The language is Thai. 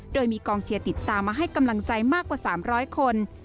โดยมีกองเชียร์ติดตามมาให้กำลังใจมากกว่า๓๐๐คน